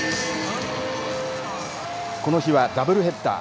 この日は、ダブルヘッダー。